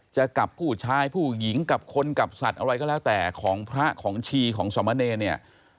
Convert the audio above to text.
จะกับผู้ชายผู้หญิงกับคนกับสัตว์อะไรก็แล้วแต่ของพระของชีของสมเนรเนี่ย